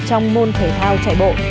trong môn thể thao chạy bộ